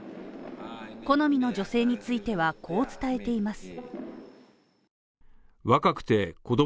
好みの女性については、こう伝えています。